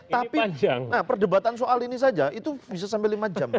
tapi perdebatan soal ini saja itu bisa sampai lima jam